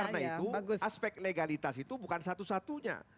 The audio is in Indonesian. karena itu aspek legalitas itu bukan satu satunya